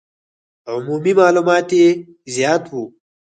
عمومي معلومات یې زیات وو.